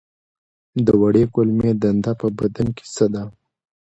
د وړې کولمې دنده په بدن کې څه ده